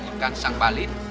một can xăng ba lít